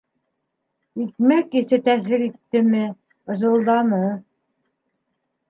Икмәк еҫе тәьҫир иттеме - ызылданы.